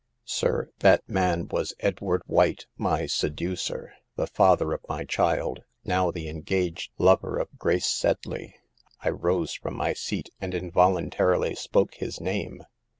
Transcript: "' Sir, that man was Edward White, my seducer, the father of my child, now the en gaged lover of Grace Sedley. I rose from my seat, and involuntarily spoke his name.